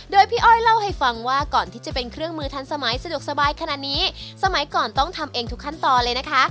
โดยพี่อ้อยเล่าให้ฟังว่าก่อนที่จะเป็นเครื่องมือทันสมัยสะดวกสบายขนาดนี้สมัยก่อนต้องทำเองทุกขั้นตอนเลยนะคะ